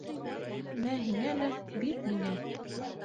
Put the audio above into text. «Мә һиңә» лә, «бир миңә».